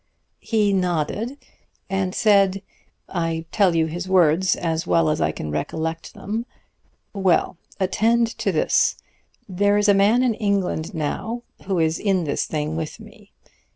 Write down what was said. "He nodded, and said I tell you his words as well as I can recollect them 'Well, attend to this. There is a man in England now who is in this thing with me.